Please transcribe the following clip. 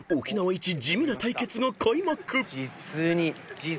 一地味な対決が開幕］